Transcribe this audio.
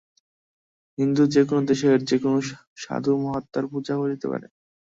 হিন্দু যে-কোন দেশের যে-কোন সাধু-মহাত্মার পূজা করিতে পারে।